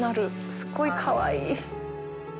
すごいかわいい。